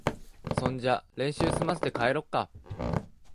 そんじゃ練習すませて、帰ろっか。